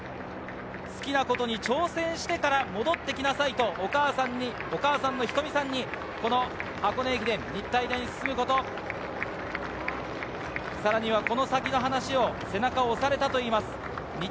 好きなことに挑戦してから戻ってきなさいとお母さんのひとみさんに箱根駅伝、日体大に進むこと、さらにはこの先の話を背中を押されたといいます。